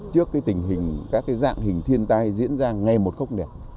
trước các tình hình các dạng hình thiên tai diễn ra ngay một khốc nền